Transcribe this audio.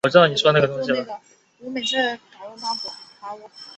萨伏伊王朝第六任国王。